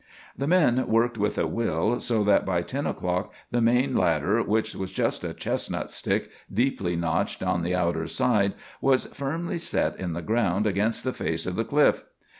The men worked with a will, so that by ten o'clock the main ladder, which was just a chestnut stick deeply notched on the outer side, was firmly set in the ground against the face of the cliff.